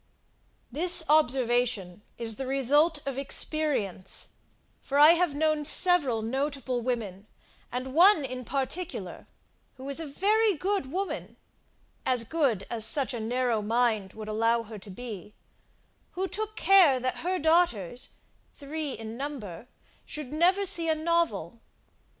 This observation is the result of experience; for I have known several notable women, and one in particular, who was a very good woman as good as such a narrow mind would allow her to be, who took care that her daughters (three in number) should never see a novel.